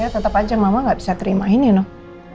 ya tetep aja mama gak bisa terimain ya noh